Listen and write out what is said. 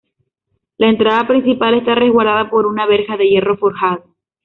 La entrada principal está resguardada por una verja de hierro forjado.